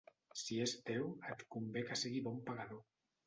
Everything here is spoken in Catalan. Si és teu et convé que sigui bon pagador.